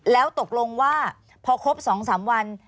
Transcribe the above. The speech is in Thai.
แล้วตกลงว่าพอครบ๒๓วัน